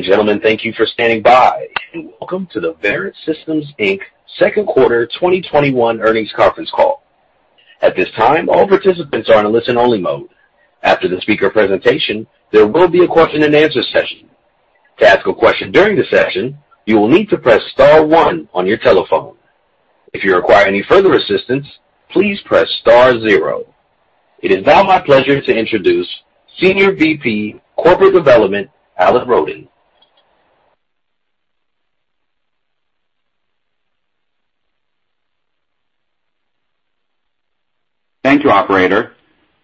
Ladies and gentlemen, thank you for standing by, and welcome to the Verint Systems Inc Second Quarter 2021 Earnings Conference Call. At this time, all participants are in listen-only mode. After the speaker presentation, there will be a question-and-answer session. To ask a question during the session, you will need to press Star 1 on your telephone. If you require any further assistance, please press Star 0. It is now my pleasure to introduce Senior VP Corporate Development, Alan Roden. Thank you, Operator.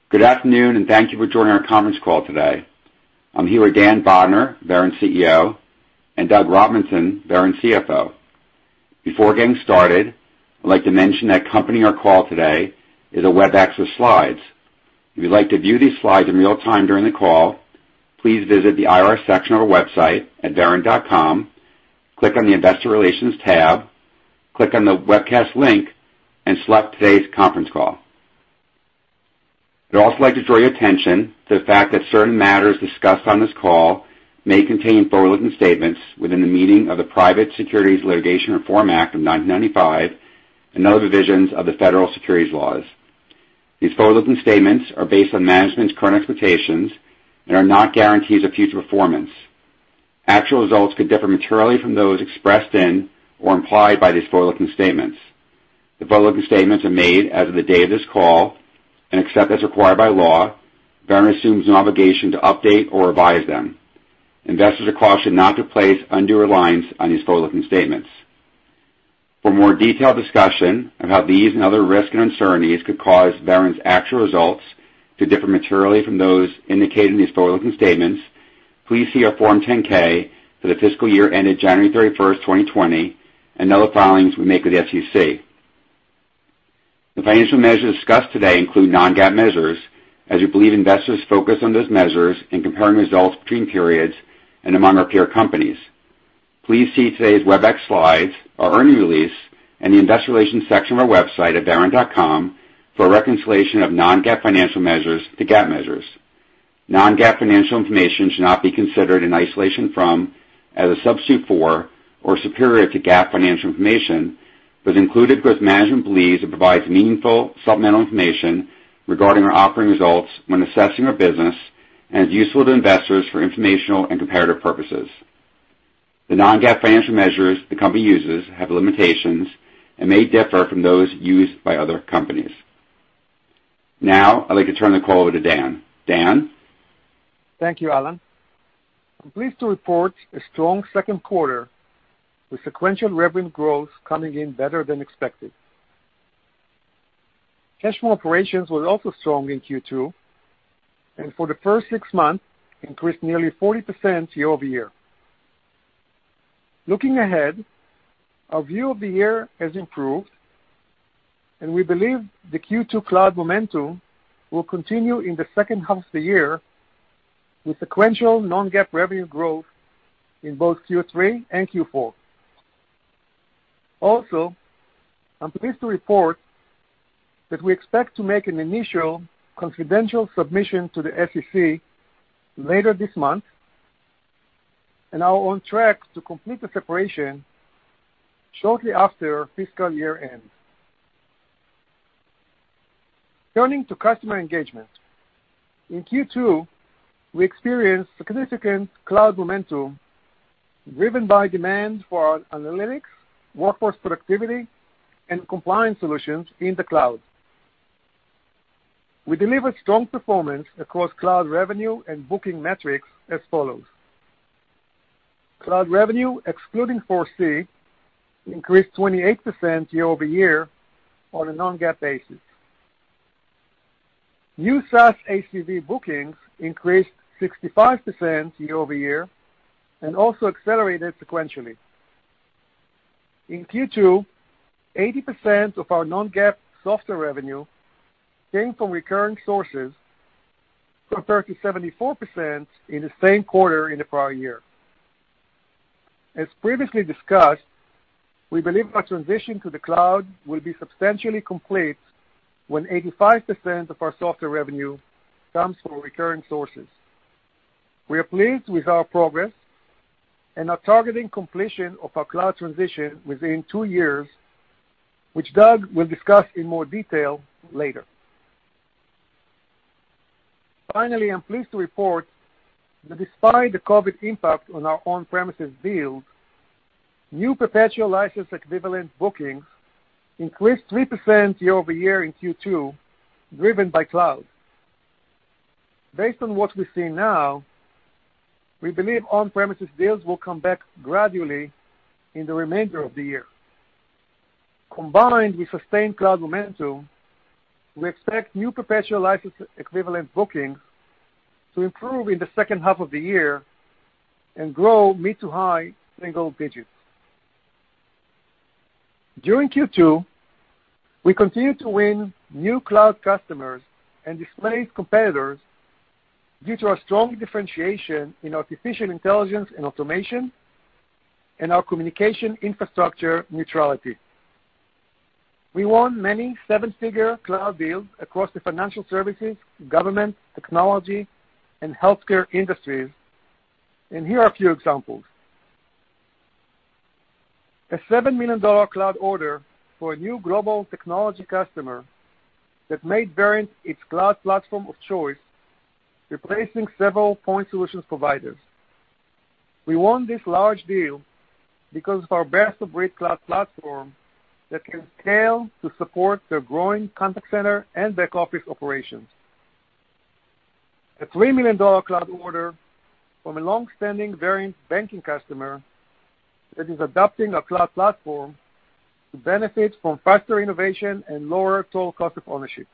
Good afternoon, and thank you for joining our conference call today. I'm here with Dan Bodner, Verint CEO, and Doug Robinson, Verint CFO. Before getting started, I'd like to mention that accompanying our call today is a webcast slide. If you'd like to view these slides in real time during the call, please visit the IR section of our website at verint.com, click on the Investor Relations tab, click on the webcast link, and select today's conference call. I'd also like to draw your attention to the fact that certain matters discussed on this call may contain forward-looking statements within the meaning of the Private Securities Litigation Reform Act of 1995 and other provisions of the federal securities laws. These forward-looking statements are based on management's current expectations and are not guarantees of future performance. Actual results could differ materially from those expressed in or implied by these forward-looking statements. The forward-looking statements are made as of the date of this call except as required by law. Verint assumes no obligation to update or revise them. Investors should not place undue reliance on these forward-looking statements. For more detailed discussion of how these and other risks and uncertainties could cause Verint's actual results to differ materially from those indicated in these forward-looking statements, please see our Form 10-K for the fiscal year ended January 31st, 2020, and other filings we make with the SEC. The financial measures discussed today include non-GAAP measures, as we believe investors focus on those measures in comparing results between periods and among our peer companies. Please see today's Webex slides, our earnings release, and the Investor Relations section of our website at verint.com for a reconciliation of non-GAAP financial measures to GAAP measures. non-GAAP financial information should not be considered in isolation from, as a substitute for, or superior to GAAP financial information, but is included because management believes it provides meaningful supplemental information regarding our operating results when assessing our business and is useful to investors for informational and comparative purposes. The non-GAAP financial measures the company uses have limitations and may differ from those used by other companies. Now, I'd like to turn the call over to Dan. Dan. Thank you, Alan. I'm pleased to report a strong second quarter with sequential revenue growth coming in better than expected. Cash flow operations were also strong in Q2 and for the first six months increased nearly 40% year-over-year. Looking ahead, our view of the year has improved, and we believe the Q2 cloud momentum will continue in the second half of the year with sequential non-GAAP revenue growth in both Q3 and Q4. Also, I'm pleased to report that we expect to make an initial confidential submission to the SEC later this month and are on track to complete the separation shortly after fiscal year end. Turning to Customer Engagement, in Q2, we experienced significant cloud momentum driven by demand for analytics, workforce productivity, and compliance solutions in the cloud. We delivered strong performance across cloud revenue and booking metrics as follows. Cloud revenue, excluding ForeSee, increased 28% year-over-year on a non-GAAP basis. New SaaS ACV bookings increased 65% year-over-year and also accelerated sequentially. In Q2, 80% of our non-GAAP software revenue came from recurring sources compared to 74% in the same quarter in the prior year. As previously discussed, we believe our transition to the cloud will be substantially complete when 85% of our software revenue comes from recurring sources. We are pleased with our progress and are targeting completion of our cloud transition within two years, which Doug will discuss in more detail later. Finally, I'm pleased to report that despite the COVID impact on our on-premises deals, new perpetual license equivalent bookings increased 3% year-over-year in Q2, driven by cloud. Based on what we see now, we believe on-premises deals will come back gradually in the remainder of the year. Combined with sustained cloud momentum, we expect new perpetual license equivalent bookings to improve in the second half of the year and grow mid to high single digits. During Q2, we continue to win new cloud customers and displace competitors due to our strong differentiation in artificial intelligence and automation and our communication infrastructure neutrality. We won many seven-figure cloud deals across the financial services, government, technology, and healthcare industries, and here are a few examples. A $7 million cloud order for a new global technology customer that made Verint its cloud platform of choice, replacing several point solutions providers. We won this large deal because of our best-of-breed cloud platform that can scale to support the growing contact center and back office operations. A $3 million cloud order from a long-standing Verint banking customer that is adopting a cloud platform to benefit from faster innovation and lower total cost of ownership.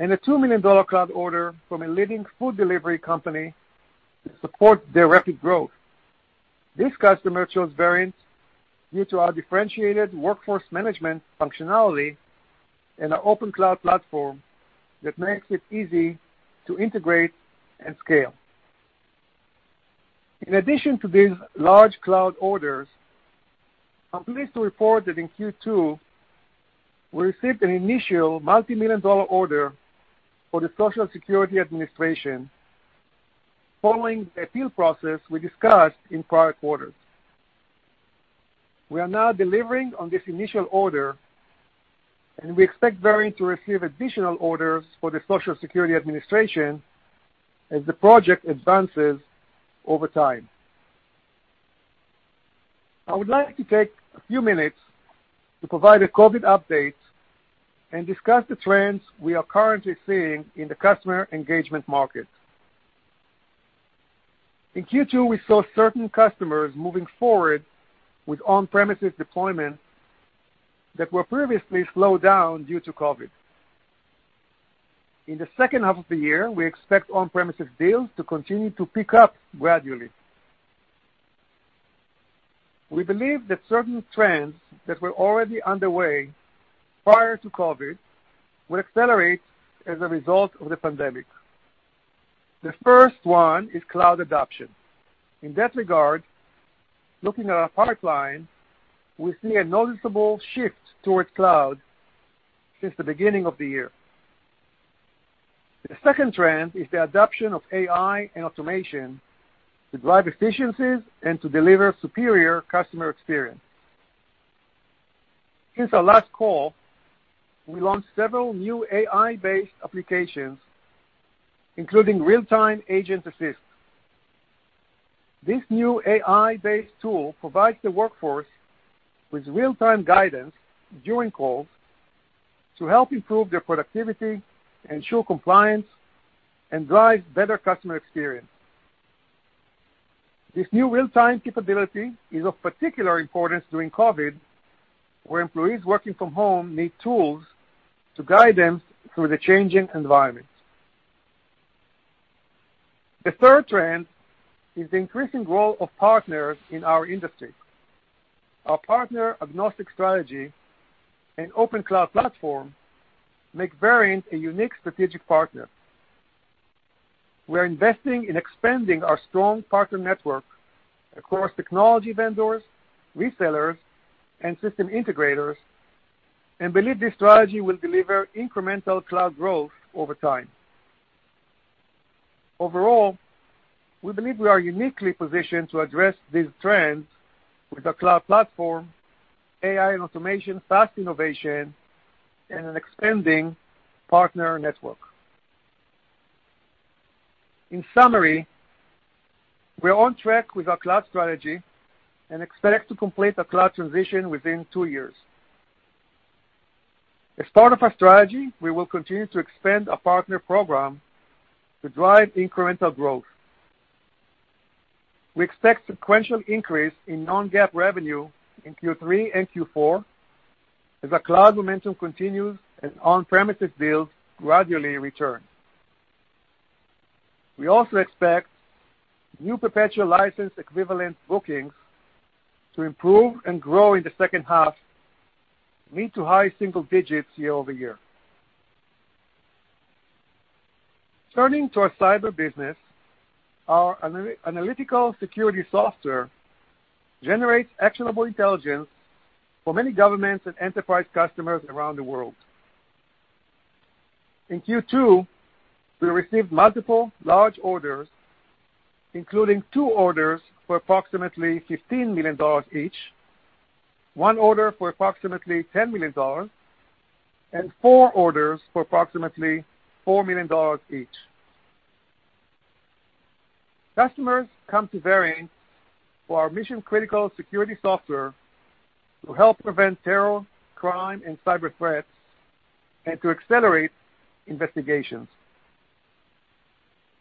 And a $2 million cloud order from a leading food delivery company to support their rapid growth. This customer chose Verint due to our differentiated workforce management functionality and our open cloud platform that makes it easy to integrate and scale. In addition to these large cloud orders, I'm pleased to report that in Q2, we received an initial multi-million dollar order for the Social Security Administration following the appeal process we discussed in prior quarters. We are now delivering on this initial order, and we expect Verint to receive additional orders for the Social Security Administration as the project advances over time. I would like to take a few minutes to provide a COVID update and discuss the trends we are currently seeing in the Customer Engagement market. In Q2, we saw certain customers moving forward with on-premises deployment that were previously slowed down due to COVID. In the second half of the year, we expect on-premises deals to continue to pick up gradually. We believe that certain trends that were already underway prior to COVID will accelerate as a result of the pandemic. The first one is cloud adoption. In that regard, looking at our pipeline, we see a noticeable shift towards cloud since the beginning of the year. The second trend is the adoption of AI and automation to drive efficiencies and to deliver superior customer experience. Since our last call, we launched several new AI-based applications, including Real-Time Agent Assist. This new AI-based tool provides the workforce with real-time guidance during calls to help improve their productivity, ensure compliance, and drive better customer experience. This new real-time capability is of particular importance during COVID, where employees working from home need tools to guide them through the changing environment. The third trend is the increasing role of partners in our industry. Our partner agnostic strategy and open cloud platform make Verint a unique strategic partner. We are investing in expanding our strong partner network across technology vendors, resellers, and system integrators, and believe this strategy will deliver incremental cloud growth over time. Overall, we believe we are uniquely positioned to address these trends with our cloud platform, AI and automation, fast innovation, and an expanding partner network. In summary, we are on track with our cloud strategy and expect to complete our cloud transition within two years. As part of our strategy, we will continue to expand our partner program to drive incremental growth. We expect sequential increase in non-GAAP revenue in Q3 and Q4 as our cloud momentum continues and on-premises deals gradually return. We also expect new perpetual license equivalent bookings to improve and grow in the second half, mid to high single digits year-over-year. Turning to our cyber business, our analytical security software generates actionable intelligence for many governments and enterprise customers around the world. In Q2, we received multiple large orders, including two orders for approximately $15 million each, one order for approximately $10 million, and four orders for approximately $4 million each. Customers come to Verint for our mission-critical security software to help prevent terror, crime, and cyber threats and to accelerate investigations.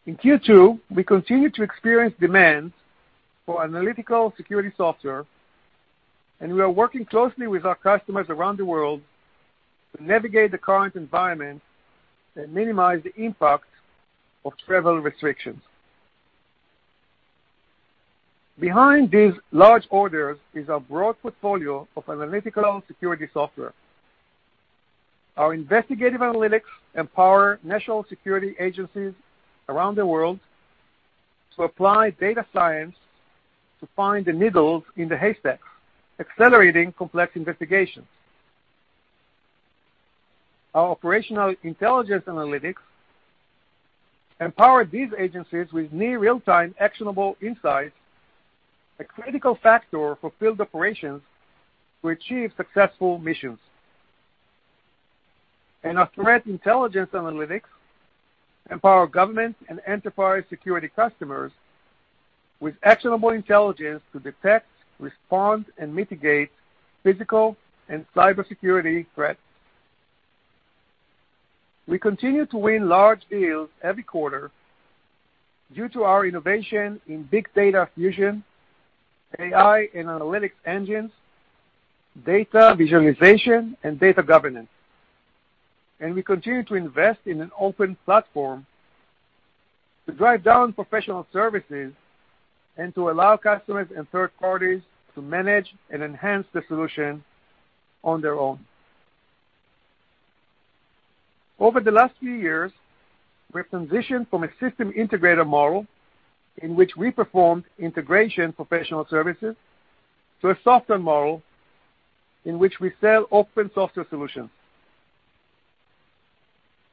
In Q2, we continue to experience demand for analytical security software, and we are working closely with our customers around the world to navigate the current environment and minimize the impact of travel restrictions. Behind these large orders is our broad portfolio of analytical security software. Our investigative analytics empower national security agencies around the world to apply data science to find the needles in the haystacks, accelerating complex investigations. Our operational intelligence analytics empower these agencies with near real-time actionable insights, a critical factor for field operations to achieve successful missions, and our threat intelligence analytics empower government and enterprise security customers with actionable intelligence to detect, respond, and mitigate physical and cybersecurity threats. We continue to win large deals every quarter due to our innovation in big data fusion, AI and analytics engines, data visualization, and data governance. We continue to invest in an open platform to drive down professional services and to allow customers and third parties to manage and enhance the solution on their own. Over the last few years, we have transitioned from a system integrator model in which we performed integration professional services to a software model in which we sell open software solutions.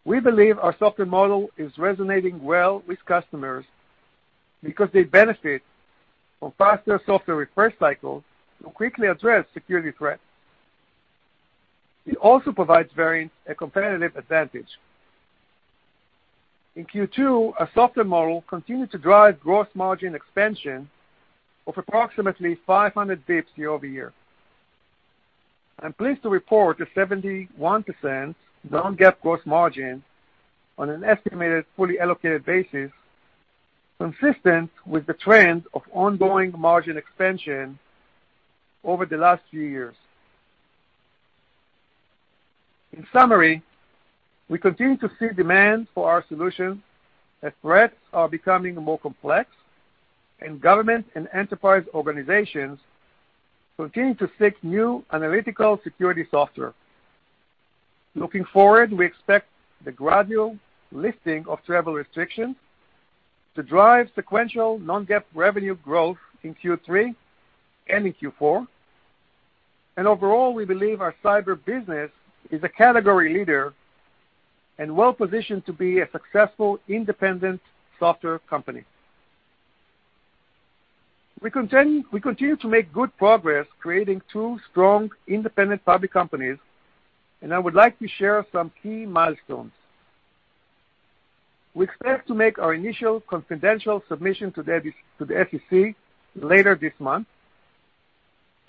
We believe our software model is resonating well with customers because they benefit from faster software refresh cycles to quickly address security threats. It also provides Verint a competitive advantage. In Q2, our software model continued to drive gross margin expansion of approximately 500 basis points year-over-year. I'm pleased to report a 71% non-GAAP gross margin on an estimated fully allocated basis, consistent with the trend of ongoing margin expansion over the last few years. In summary, we continue to see demand for our solutions as threats are becoming more complex, and government and enterprise organizations continue to seek new analytical security software. Looking forward, we expect the gradual lifting of travel restrictions to drive sequential non-GAAP revenue growth in Q3 and in Q4, and overall, we believe our cyber business is a category leader and well-positioned to be a successful independent software company. We continue to make good progress creating two strong independent public companies, and I would like to share some key milestones. We expect to make our initial confidential submission to the SEC later this month.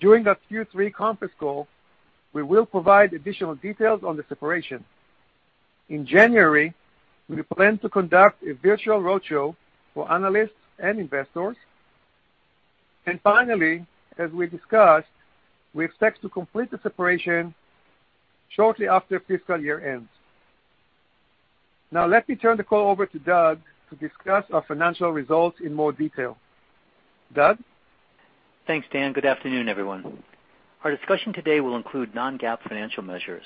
During our Q3 conference call, we will provide additional details on the separation. In January, we plan to conduct a virtual roadshow for analysts and investors, and finally, as we discussed, we expect to complete the separation shortly after fiscal year ends. Now, let me turn the call over to Doug to discuss our financial results in more detail. Doug? Thanks, Dan. Good afternoon, everyone. Our discussion today will include non-GAAP financial measures.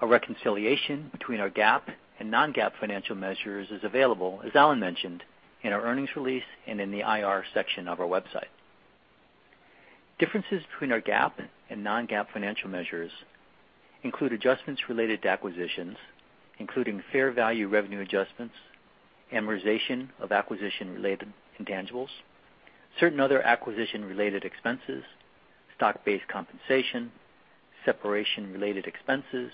A reconciliation between our GAAP and non-GAAP financial measures is available, as Alan mentioned, in our earnings release and in the IR section of our website. Differences between our GAAP and non-GAAP financial measures include adjustments related to acquisitions, including fair value revenue adjustments, amortization of acquisition-related intangibles, certain other acquisition-related expenses, stock-based compensation, separation-related expenses,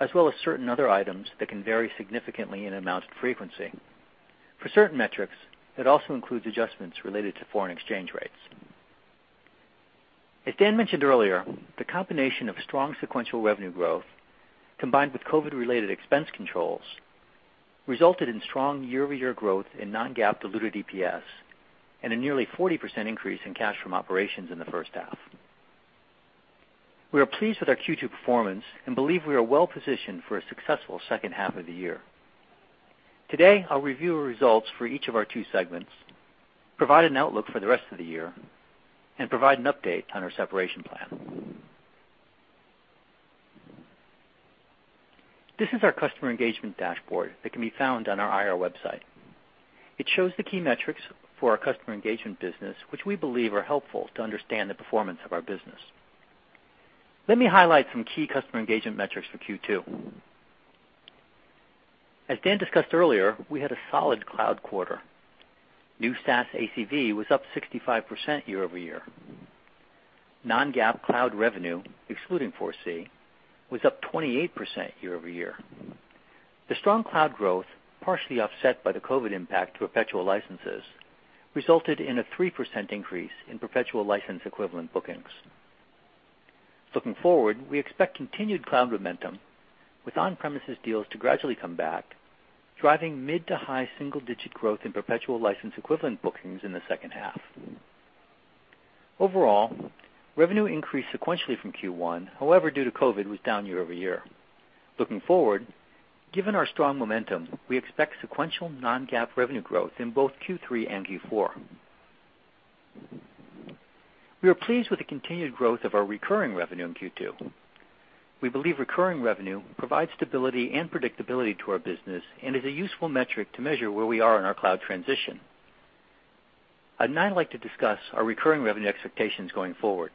as well as certain other items that can vary significantly in amount and frequency. For certain metrics, it also includes adjustments related to foreign exchange rates. As Dan mentioned earlier, the combination of strong sequential revenue growth combined with COVID-related expense controls resulted in strong year-over-year growth in non-GAAP diluted EPS and a nearly 40% increase in cash from operations in the first half. We are pleased with our Q2 performance and believe we are well-positioned for a successful second half of the year. Today, I'll review results for each of our two segments, provide an outlook for the rest of the year, and provide an update on our separation plan. This is our Customer Engagement dashboard that can be found on our IR website. It shows the key metrics for our Customer Engagement business, which we believe are helpful to understand the performance of our business. Let me highlight some key Customer Engagement metrics for Q2. As Dan discussed earlier, we had a solid cloud quarter. New SaaS ACV was up 65% year-over-year. non-GAAP cloud revenue, excluding ForeSee, was up 28% year-over-year. The strong cloud growth, partially offset by the COVID impact to perpetual licenses, resulted in a 3% increase in perpetual license equivalent bookings. Looking forward, we expect continued cloud momentum with on-premises deals to gradually come back, driving mid to high single-digit growth in perpetual license equivalent bookings in the second half. Overall, revenue increased sequentially from Q1. However, due to COVID, it was down year-over-year. Looking forward, given our strong momentum, we expect sequential non-GAAP revenue growth in both Q3 and Q4. We are pleased with the continued growth of our recurring revenue in Q2. We believe recurring revenue provides stability and predictability to our business and is a useful metric to measure where we are in our cloud transition. I'd now like to discuss our recurring revenue expectations going forward.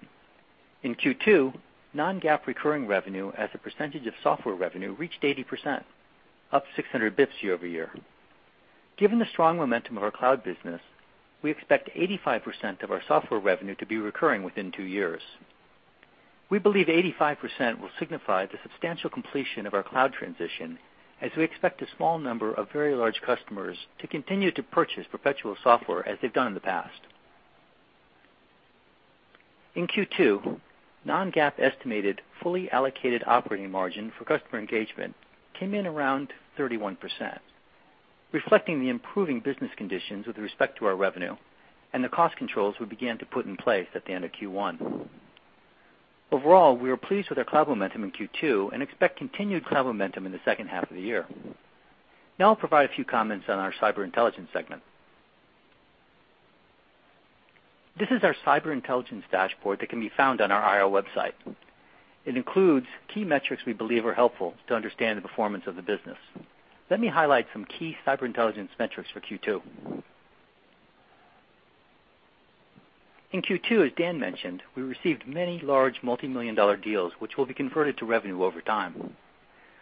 In Q2, non-GAAP recurring revenue as a percentage of software revenue reached 80%, up 600 basis points year-over-year. Given the strong momentum of our cloud business, we expect 85% of our software revenue to be recurring within two years. We believe 85% will signify the substantial completion of our cloud transition, as we expect a small number of very large customers to continue to purchase perpetual software as they've done in the past. In Q2, non-GAAP estimated fully allocated operating margin for Customer Engagement came in around 31%, reflecting the improving business conditions with respect to our revenue and the cost controls we began to put in place at the end of Q1. Overall, we are pleased with our cloud momentum in Q2 and expect continued cloud momentum in the second half of the year. Now, I'll provide a few comments on our Cyber Intelligence segment. This is our Cyber Intelligence dashboard that can be found on our IR website. It includes key metrics we believe are helpful to understand the performance of the business. Let me highlight some key Cyber Intelligence metrics for Q2. In Q2, as Dan mentioned, we received many large multi-million dollar deals, which will be converted to revenue over time.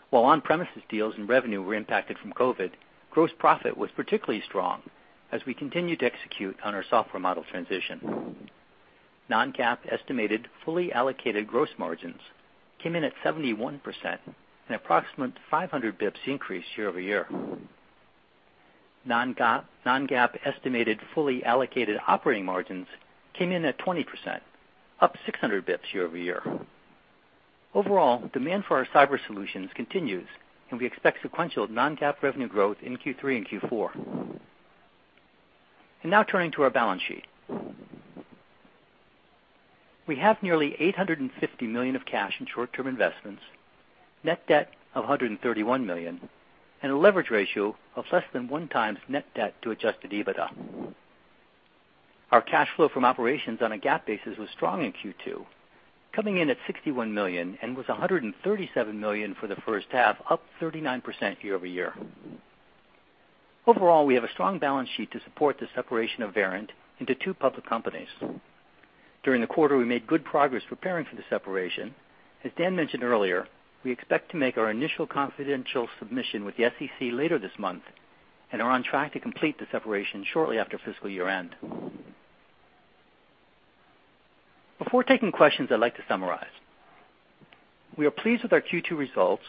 While on-premises deals and revenue were impacted from COVID, gross profit was particularly strong as we continued to execute on our software model transition. non-GAAP estimated fully allocated gross margins came in at 71%, an approximate 500 basis points increase year-over-year. non-GAAP estimated fully allocated operating margins came in at 20%, up 600 basis points year-over-year. Overall, demand for our cyber solutions continues, and we expect sequential non-GAAP revenue growth in Q3 and Q4. And now, turning to our balance sheet, we have nearly $850 million of cash and short-term investments, net debt of $131 million, and a leverage ratio of less than one times net debt to Adjusted EBITDA. Our cash flow from operations on a GAAP basis was strong in Q2, coming in at $61 million and was $137 million for the first half, up 39% year-over-year. Overall, we have a strong balance sheet to support the separation of Verint into two public companies. During the quarter, we made good progress preparing for the separation. As Dan mentioned earlier, we expect to make our initial confidential submission with the SEC later this month and are on track to complete the separation shortly after fiscal year end. Before taking questions, I'd like to summarize. We are pleased with our Q2 results,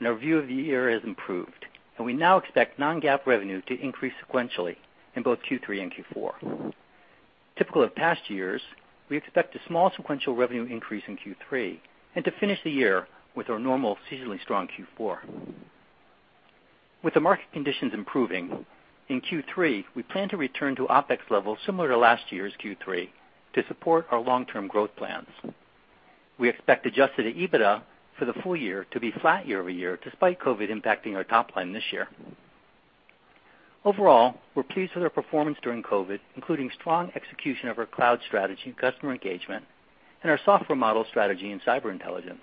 and our view of the year has improved, and we now expect non-GAAP revenue to increase sequentially in both Q3 and Q4. Typical of past years, we expect a small sequential revenue increase in Q3 and to finish the year with our normal, seasonally strong Q4. With the market conditions improving, in Q3, we plan to return to OpEx levels similar to last year's Q3 to support our long-term growth plans. We expect Adjusted EBITDA for the full year to be flat year-over-year, despite COVID impacting our top line this year. Overall, we're pleased with our performance during COVID, including strong execution of our cloud strategy and customer engagement and our software model strategy and Cyber Intelligence.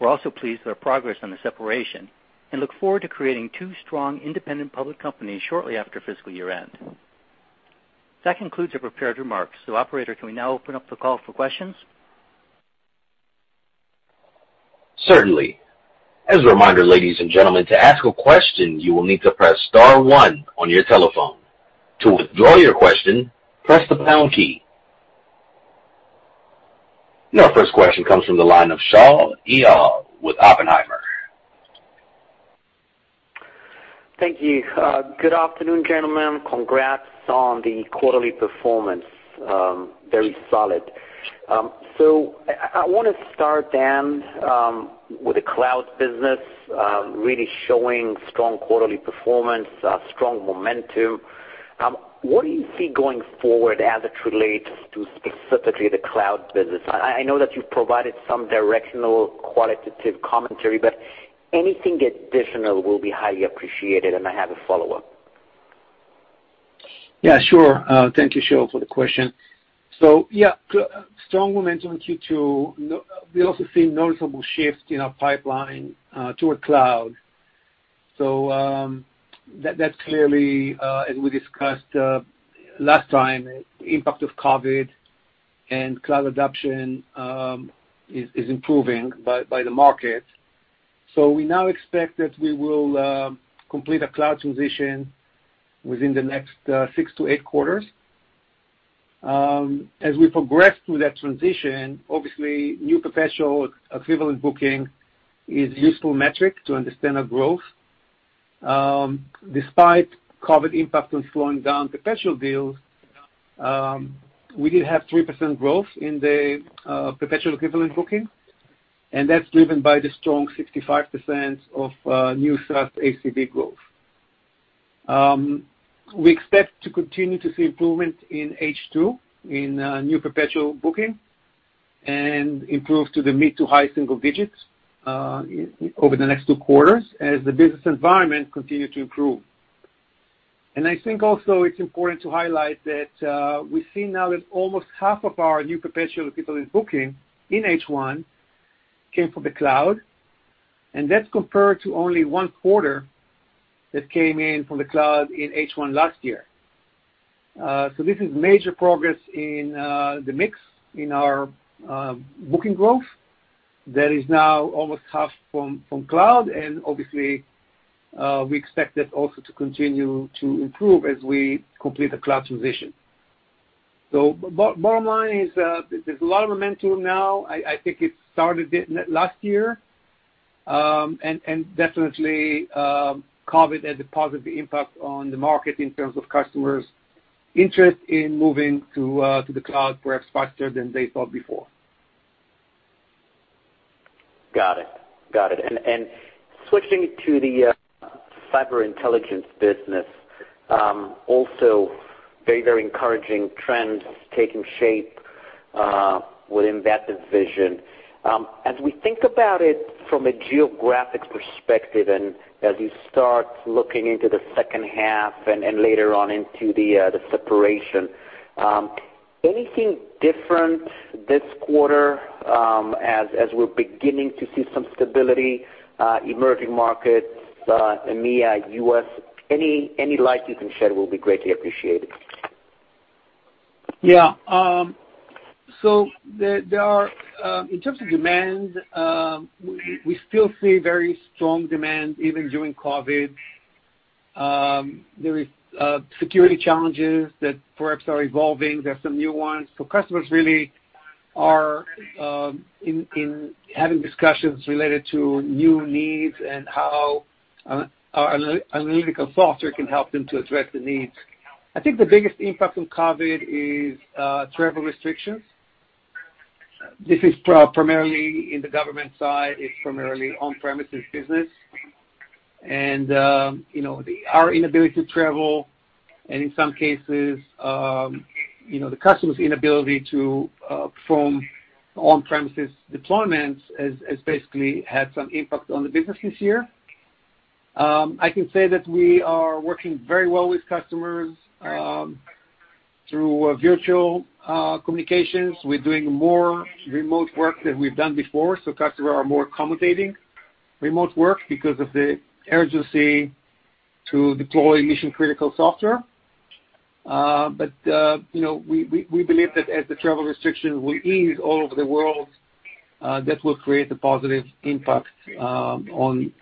We're also pleased with our progress on the separation and look forward to creating two strong independent public companies shortly after fiscal year end. That concludes our prepared remarks. So, Operator, can we now open up the call for questions? Certainly. As a reminder, ladies and gentlemen, to ask a question, you will need to press star one on your telephone. To withdraw your question, press the pound key. Now, our first question comes from the line of Shaul Eyal with Oppenheimer. Thank you. Good afternoon, gentlemen. Congrats on the quarterly performance. Very solid. So I want to start, Dan, with the cloud business really showing strong quarterly performance, strong momentum. What do you see going forward as it relates to specifically the cloud business? I know that you've provided some directional qualitative commentary, but anything additional will be highly appreciated, and I have a follow-up. Yeah, sure. Thank you, Shaul, for the question. So, yeah, strong momentum in Q2. We also see a noticeable shift in our pipeline to a cloud. That's clearly, as we discussed last time, the impact of COVID and cloud adoption is improving by the market. We now expect that we will complete a cloud transition within the next six to eight quarters. As we progress through that transition, obviously, new perpetual equivalent booking is a useful metric to understand our growth. Despite COVID impact on slowing down perpetual deals, we did have 3% growth in the perpetual equivalent booking, and that's driven by the strong 65% of new SaaS ACV growth. We expect to continue to see improvement in H2 in new perpetual booking and improve to the mid to high single digits over the next two quarters as the business environment continues to improve. And I think also it's important to highlight that we see now that almost half of our new perpetual equivalent booking in H1 came from the cloud, and that's compared to only one quarter that came in from the cloud in H1 last year. So this is major progress in the mix in our booking growth that is now almost half from cloud, and obviously, we expect that also to continue to improve as we complete the cloud transition. So bottom line is there's a lot of momentum now. I think it started last year, and definitely COVID had a positive impact on the market in terms of customers' interest in moving to the cloud perhaps faster than they thought before. Got it. Got it. And switching to the Cyber Intelligence business, also very, very encouraging trends taking shape within that division. As we think about it from a geographic perspective and as you start looking into the second half and later on into the separation, anything different this quarter as we're beginning to see some stability, emerging markets, EMEA, US? Any light you can share will be greatly appreciated. Yeah. So in terms of demand, we still see very strong demand even during COVID. There are security challenges that perhaps are evolving. There are some new ones. So customers really are having discussions related to new needs and how analytical software can help them to address the needs. I think the biggest impact from COVID is travel restrictions. This is primarily in the government side. It's primarily on-premises business. And our inability to travel and, in some cases, the customer's inability to perform on-premises deployments has basically had some impact on the business this year. I can say that we are working very well with customers through virtual communications. We're doing more remote work than we've done before, so customers are more accommodating remote work because of the urgency to deploy mission-critical software. But we believe that as the travel restrictions will ease all over the world, that will create a positive impact on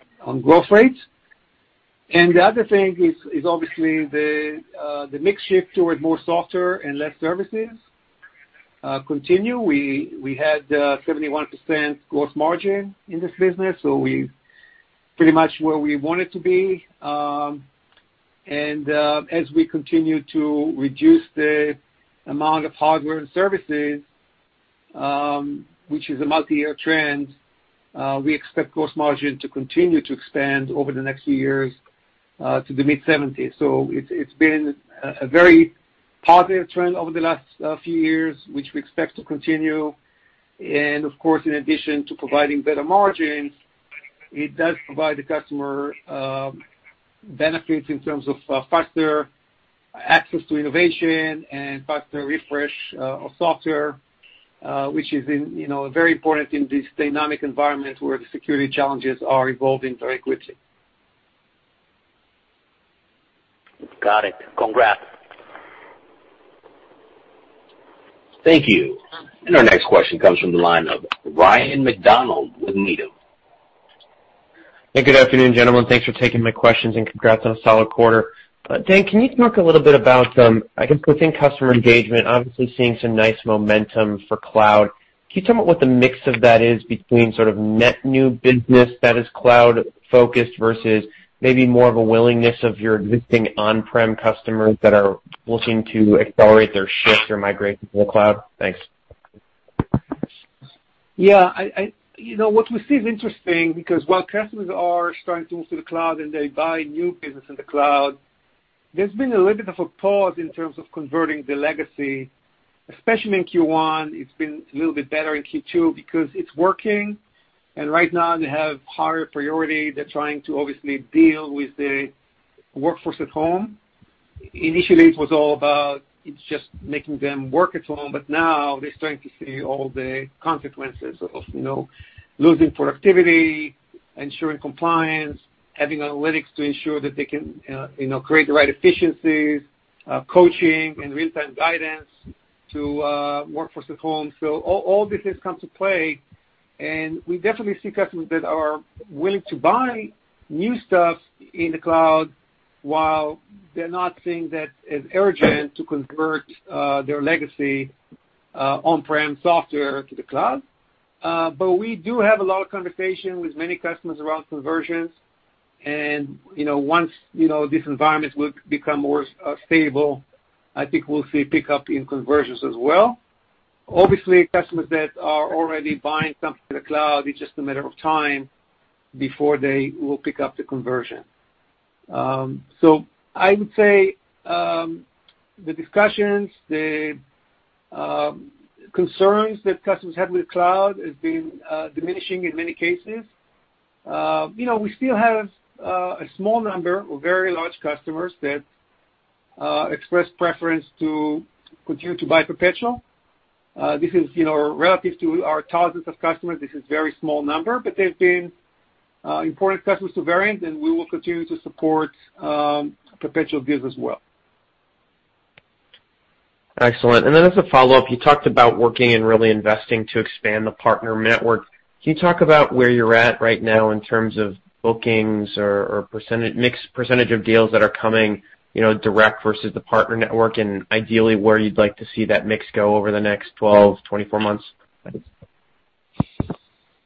growth rates. And the other thing is obviously the mix shift toward more software and less services continue. We had 71% gross margin in this business, so we're pretty much where we wanted to be. And as we continue to reduce the amount of hardware and services, which is a multi-year trend, we expect gross margin to continue to expand over the next few years to the mid-70s. So it's been a very positive trend over the last few years, which we expect to continue. And of course, in addition to providing better margins, it does provide the customer benefits in terms of faster access to innovation and faster refresh of software, which is very important in this dynamic environment where the security challenges are evolving very quickly. Got it. Congrats. Thank you. And our next question comes from the line of Ryan MacDonald with Needham & Company. Hey, good afternoon, gentlemen. Thanks for taking my questions and congrats on a solid quarter. Dan, can you talk a little bit about, I guess, within customer engagement, obviously seeing some nice momentum for cloud? Can you tell me what the mix of that is between sort of net new business that is cloud-focused versus maybe more of a willingness of your existing on-prem customers that are looking to accelerate their shift or migration to the cloud? Thanks. Yeah. What we see is interesting because while customers are starting to move to the cloud and they buy new business in the cloud, there's been a little bit of a pause in terms of converting the legacy. Especially in Q1, it's been a little bit better in Q2 because it's working, and right now they have higher priority. They're trying to obviously deal with the workforce at home. Initially, it was all about just making them work at home, but now they're starting to see all the consequences of losing productivity, ensuring compliance, having analytics to ensure that they can create the right efficiencies, coaching, and real-time guidance to workforce at home. So all these things come to play, and we definitely see customers that are willing to buy new stuff in the cloud while they're not seeing that as urgent to convert their legacy on-prem software to the cloud. But we do have a lot of conversation with many customers around conversions, and once this environment will become more stable, I think we'll see a pickup in conversions as well. Obviously, customers that are already buying something in the cloud, it's just a matter of time before they will pick up the conversion. So I would say the discussions, the concerns that customers have with cloud have been diminishing in many cases. We still have a small number of very large customers that express preference to continue to buy perpetual. This is relative to our thousands of customers. This is a very small number, but they've been important customers to Verint, and we will continue to support perpetual deals as well. Excellent. And then as a follow-up, you talked about working and really investing to expand the partner network. Can you talk about where you're at right now in terms of bookings or mixed percentage of deals that are coming direct versus the partner network, and ideally, where you'd like to see that mix go over the next 12-24 months?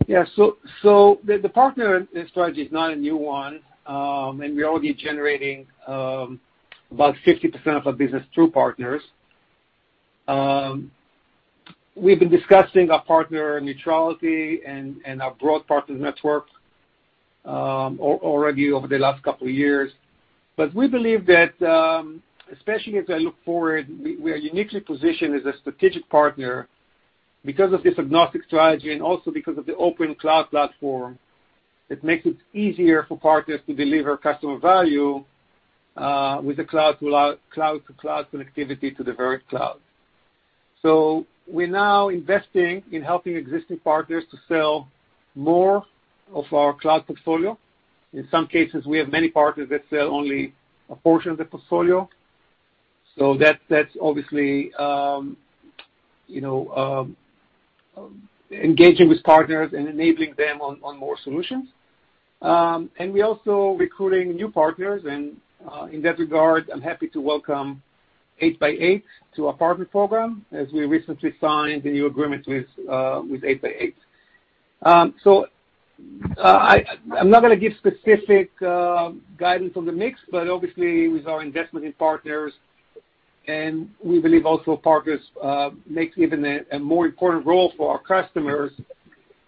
Yeah. So the partner strategy is not a new one, and we're already generating about 50% of our business through partners. We've been discussing our partner neutrality and our broad partner network already over the last couple of years, but we believe that, especially as I look forward, we are uniquely positioned as a strategic partner because of this agnostic strategy and also because of the open cloud platform. It makes it easier for partners to deliver customer value with the cloud-to-cloud connectivity to the Verint cloud. So we're now investing in helping existing partners to sell more of our cloud portfolio. In some cases, we have many partners that sell only a portion of the portfolio. So that's obviously engaging with partners and enabling them on more solutions. And we're also recruiting new partners, and in that regard, I'm happy to welcome 8x8 to our partner program as we recently signed a new agreement with 8x8. So I'm not going to give specific guidance on the mix, but obviously, with our investment in partners, and we believe also partners make even a more important role for our customers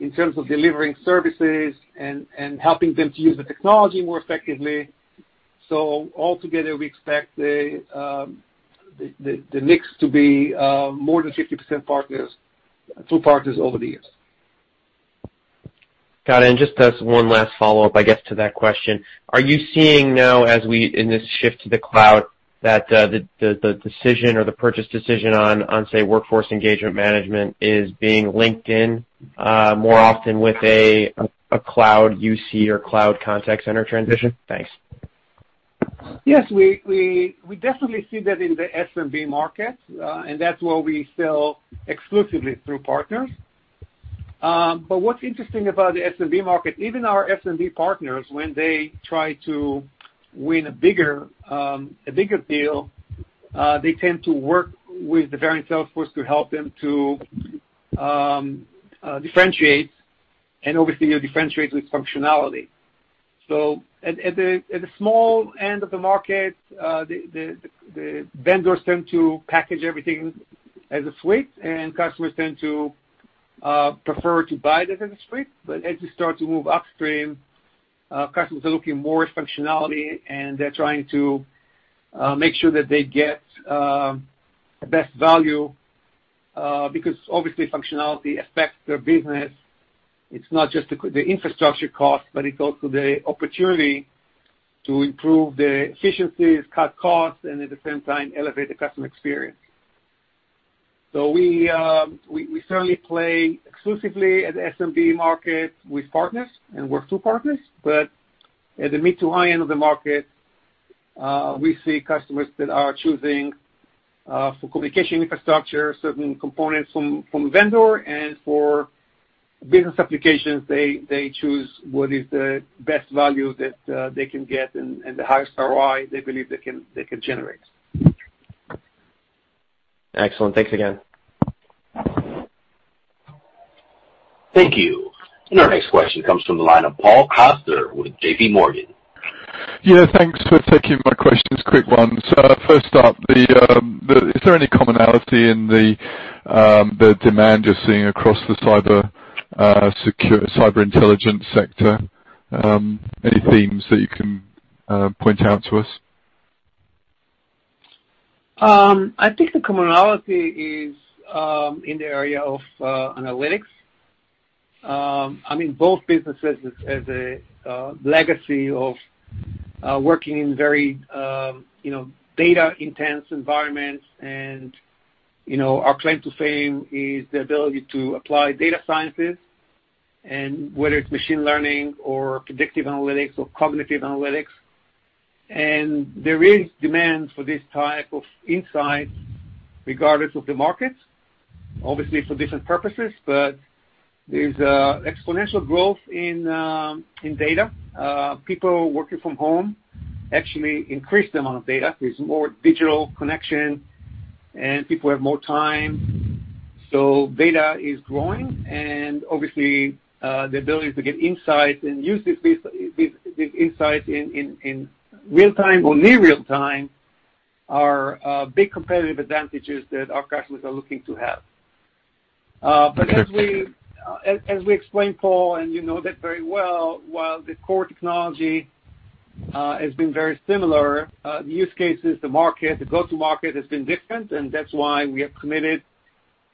in terms of delivering services and helping them to use the technology more effectively. So altogether, we expect the mix to be more than 50% partners through partners over the years. Got it. Just as one last follow-up, I guess, to that question, are you seeing now, as we in this shift to the cloud, that the decision or the purchase decision on, say, workforce engagement management is being linked in more often with a cloud UC or cloud contact center transition? Thanks. Yes. We definitely see that in the SMB market, and that's where we sell exclusively through partners. What's interesting about the SMB market, even our SMB partners, when they try to win a bigger deal, they tend to work with the Verint sales force to help them to differentiate, and obviously, you differentiate with functionality. At the small end of the market, the vendors tend to package everything as a suite, and customers tend to prefer to buy that as a suite. As you start to move upstream, customers are looking more at functionality, and they're trying to make sure that they get the best value because, obviously, functionality affects their business. It's not just the infrastructure cost, but it's also the opportunity to improve the efficiencies, cut costs, and at the same time, elevate the customer experience. We certainly play exclusively at the SMB market with partners and work through partners. At the mid to high end of the market, we see customers that are choosing for communication infrastructure, certain components from vendor, and for business applications, they choose what is the best value that they can get and the highest ROI they believe they can generate. Excellent. Thanks again. Thank you. Our next question comes from the line of Paul Coster with J.P. Morgan. Yeah. Thanks for taking my questions. Quick one. So first up, is there any commonality in the demand you're seeing across the Cyber Intelligence sector? Any themes that you can point out to us? I think the commonality is in the area of analytics. I mean, both businesses have a legacy of working in very data-intense environments, and our claim to fame is the ability to apply data sciences, whether it's machine learning or predictive analytics or cognitive analytics. And there is demand for this type of insight regardless of the market, obviously for different purposes, but there's exponential growth in data. People working from home actually increase the amount of data. There's more digital connection, and people have more time. So data is growing, and obviously, the ability to get insights and use these insights in real-time or near real-time are big competitive advantages that our customers are looking to have. But as we explained, Paul, and you know that very well, while the core technology has been very similar, the use cases, the market, the go-to-market has been different, and that's why we have committed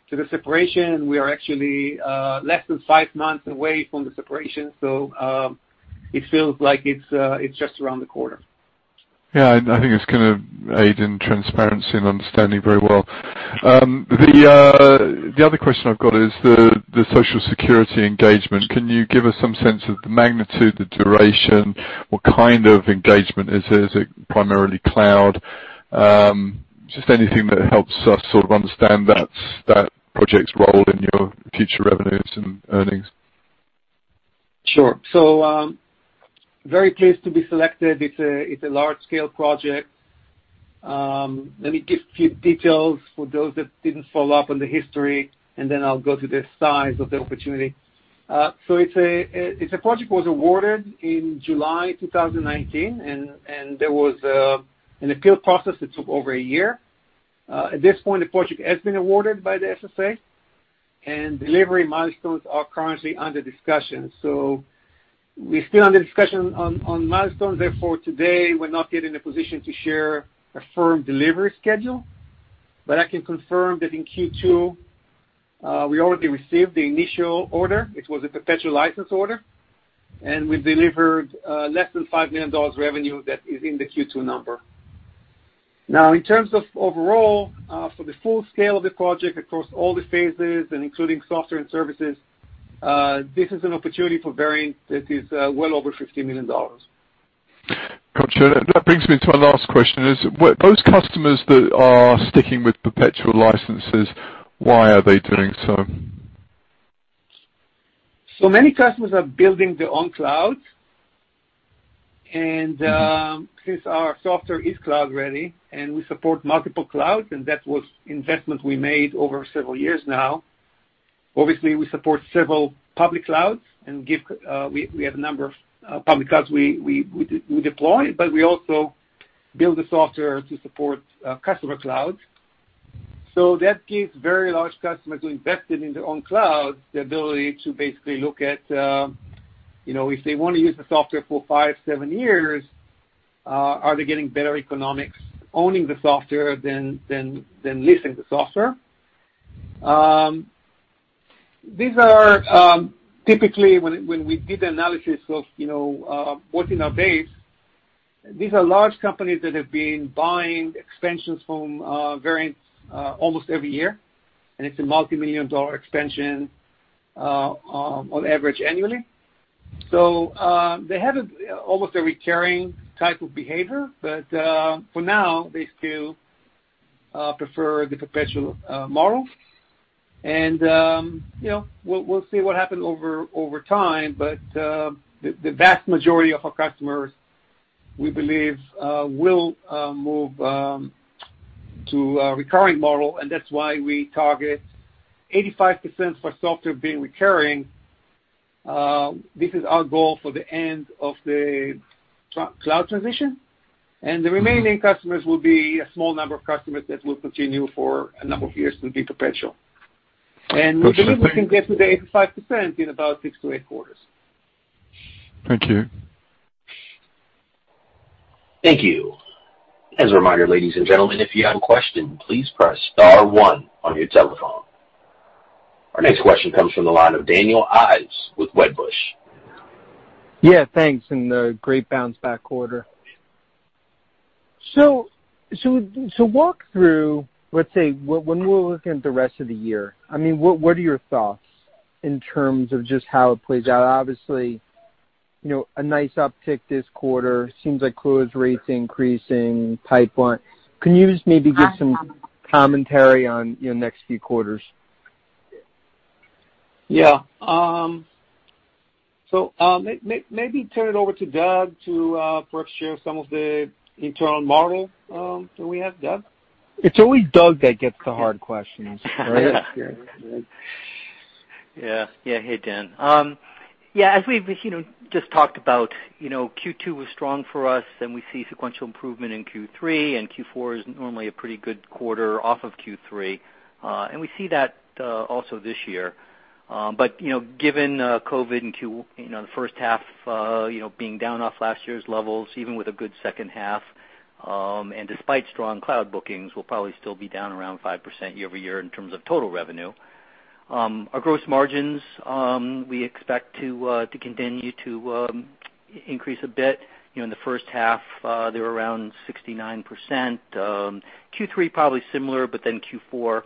to the separation. We are actually less than five months away from the separation, so it feels like it's just around the corner. Yeah. I think it's kind of aids in transparency and understanding very well. The other question I've got is the Social Security engagement. Can you give us some sense of the magnitude, the duration, what kind of engagement is it? Is it primarily cloud? Just anything that helps us sort of understand that project's role in your future revenues and earnings. Sure. So very pleased to be selected. It's a large-scale project. Let me give a few details for those that didn't follow up on the history, and then I'll go to the size of the opportunity. So it's a project that was awarded in July 2019, and there was an appeal process that took over a year. At this point, the project has been awarded by the SSA, and delivery milestones are currently under discussion. So we're still under discussion on milestones. Therefore, today, we're not yet in a position to share a firm delivery schedule, but I can confirm that in Q2, we already received the initial order. It was a perpetual license order, and we delivered less than $5 million revenue that is in the Q2 number. Now, in terms of overall, for the full scale of the project across all the phases, including software and services, this is an opportunity for Verint that is well over $50 million. Gotcha. That brings me to my last question. Those customers that are sticking with perpetual licenses, why are they doing so? So many customers are building their own clouds, and since our software is cloud-ready and we support multiple clouds, and that was investment we made over several years now. Obviously, we support several public clouds, and we have a number of public clouds we deploy, but we also build the software to support customer clouds. So that gives very large customers who invested in their own clouds the ability to basically look at if they want to use the software for five, seven years, are they getting better economics owning the software than leasing the software? Typically, when we did the analysis of what's in our base, these are large companies that have been buying expansions from Verint almost every year, and it's a multi-million-dollar expansion on average annually, so they have almost a recurring type of behavior, but for now, they still prefer the perpetual model, and we'll see what happens over time, but the vast majority of our customers, we believe, will move to a recurring model, and that's why we target 85% for software being recurring. This is our goal for the end of the cloud transition, and the remaining customers will be a small number of customers that will continue for a number of years to be perpetual, and we believe we can get to the 85% in about six-to-eight quarters. Thank you. Thank you. As a reminder, ladies and gentlemen, if you have a question, please press star one on your telephone. Our next question comes from the line of Daniel Ives with Wedbush. Yeah. Thanks. And great bounce back quarter. So walk through, let's say, when we're looking at the rest of the year, I mean, what are your thoughts in terms of just how it plays out? Obviously, a nice uptick this quarter. It seems like cloud's rates are increasing. Pipeline. Can you just maybe give some commentary on your next few quarters? Yeah. So maybe turn it over to Doug for us to share some of the internal model that we have. Doug? It's always Doug that gets the hard questions, right? Yeah. Yeah. Hey, Dan. Yeah. As we've just talked about, Q2 was strong for us, and we see sequential improvement in Q3, and Q4 is normally a pretty good quarter off of Q3. And we see that also this year. But given COVID and the first half being down off last year's levels, even with a good second half, and despite strong cloud bookings, we'll probably still be down around 5% year-over-year in terms of total revenue. Our gross margins, we expect to continue to increase a bit. In the first half, they were around 69%. Q3, probably similar, but then Q4,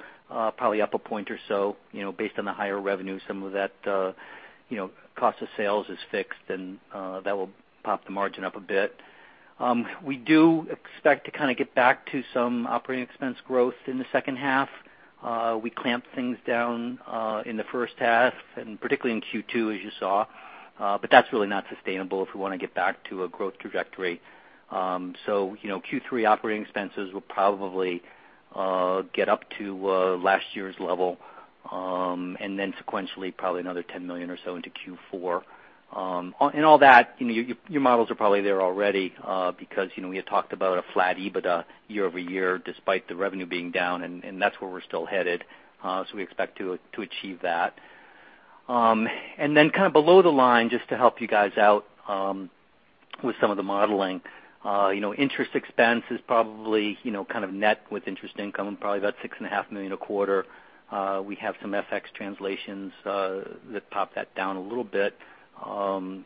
probably up a point or so based on the higher revenue. Some of that cost of sales is fixed, and that will pop the margin up a bit. We do expect to kind of get back to some operating expense growth in the second half. We clamped things down in the first half, and particularly in Q2, as you saw, but that's really not sustainable if we want to get back to a growth trajectory, so Q3 operating expenses will probably get up to last year's level and then sequentially probably another $10 million or so into Q4. In all that, your models are probably there already because we had talked about a flat EBITDA year-over-year despite the revenue being down, and that's where we're still headed, so we expect to achieve that, and then kind of below the line, just to help you guys out with some of the modeling, interest expense is probably kind of net with interest income, probably about $6.5 million a quarter. We have some FX translations that pop that down a little bit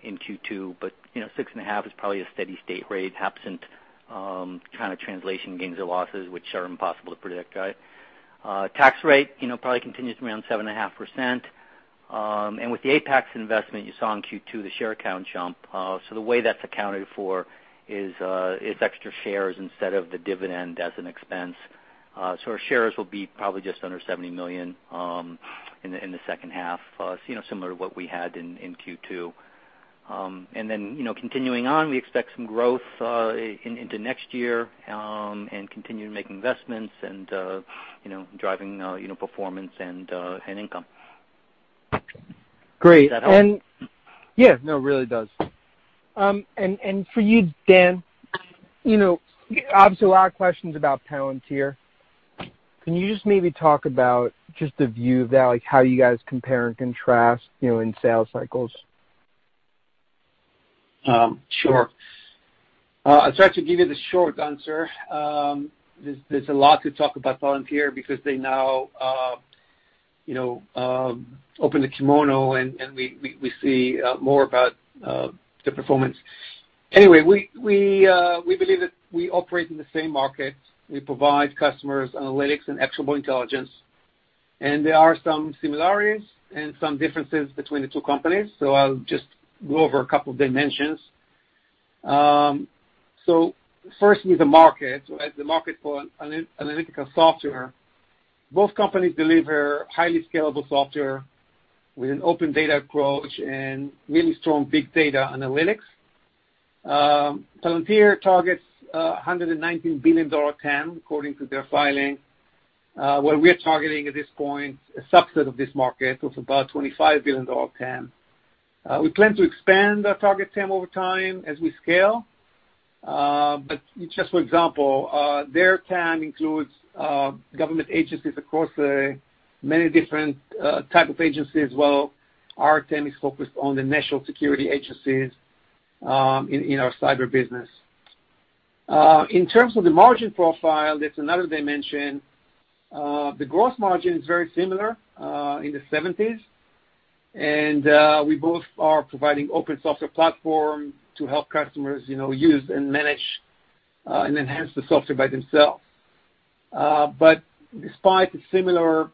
in Q2, but 6.5 is probably a steady-state rate, absent kind of translation gains or losses, which are impossible to predict, right? Tax rate probably continues around 7.5%. And with the Apax investment you saw in Q2, the share count jump. So the way that's accounted for is extra shares instead of the dividend as an expense. So our shares will be probably just under 70 million in the second half, similar to what we had in Q2. And then continuing on, we expect some growth into next year and continue to make investments and driving performance and income. Great. Does that help? Yeah. No, it really does. And for you, Dan, obviously, a lot of questions about Palantir. Can you just maybe talk about just the view of that, how you guys compare and contrast in sales cycles? Sure. I'll try to give you the short answer. There's a lot to talk about Palantir because they now opened a kimono, and we see more about the performance. Anyway, we believe that we operate in the same market. We provide customers analytics and actionable intelligence, and there are some similarities and some differences between the two companies. So I'll just go over a couple of dimensions. So first is the market, right? The market for analytical software. Both companies deliver highly scalable software with an open data approach and really strong big data analytics. Palantir targets $119 billion TAM according to their filing, where we are targeting at this point a subset of this market of about $25 billion TAM. We plan to expand our target TAM over time as we scale. But just for example, their TAM includes government agencies across many different types of agencies, while our TAM is focused on the national security agencies in our cyber business. In terms of the margin profile, that's another dimension. The gross margin is very similar in the 70s, and we both are providing open software platforms to help customers use and manage and enhance the software by themselves. But despite the similar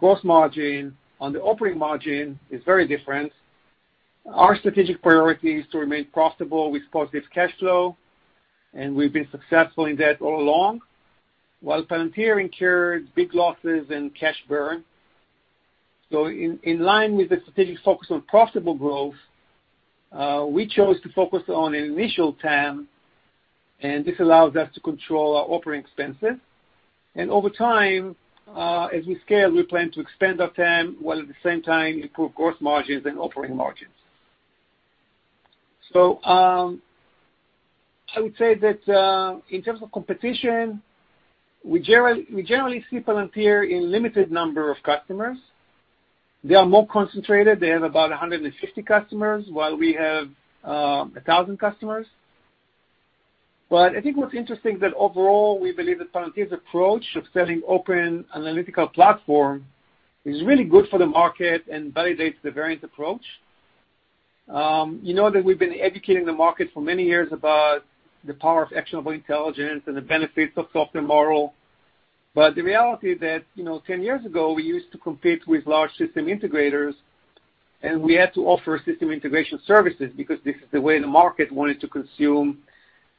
gross margin, the operating margin is very different. Our strategic priority is to remain profitable with positive cash flow, and we've been successful in that all along, while Palantir incurred big losses and cash burn. So in line with the strategic focus on profitable growth, we chose to focus on an initial TAM, and this allows us to control our operating expenses. Over time, as we scale, we plan to expand our TAM while at the same time improve gross margins and operating margins. I would say that in terms of competition, we generally see Palantir in a limited number of customers. They are more concentrated. They have about 150 customers, while we have 1,000 customers. I think what's interesting is that overall, we believe that Palantir's approach of selling open analytical platform is really good for the market and validates the Verint approach. You know that we've been educating the market for many years about the power of actionable intelligence and the benefits of software model, but the reality is that 10 years ago, we used to compete with large system integrators, and we had to offer system integration services because this is the way the market wanted to consume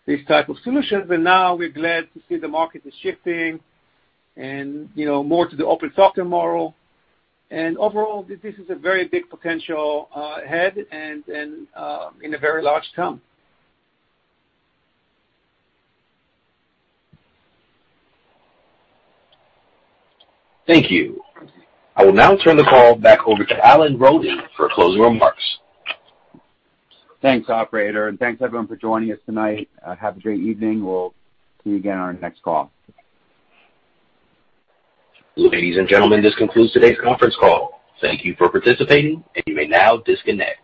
these types of solutions. And now we're glad to see the market is shifting more to the open software model. And overall, this is a very big potential ahead and in a very large sum. Thank you. I will now turn the call back over to Alan Roden for closing remarks. Thanks, operator, and thanks everyone for joining us tonight. Have a great evening. We'll see you again on our next call. Ladies and gentlemen, this concludes today's conference call. Thank you for participating, and you may now disconnect.